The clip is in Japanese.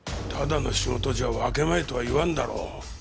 ただの仕事じゃ分け前とは言わんだろう。